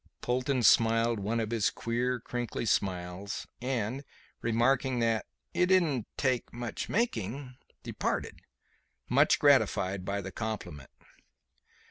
Polton smiled one of his queer crinkly smiles, and remarking that "it didn't take much making," departed much gratified by the compliment.